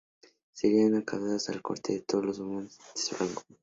Serían aceptados en la corte con todos los honores de su rango.